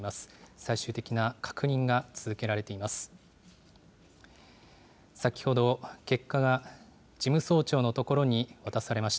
最終的な確認が続けられています。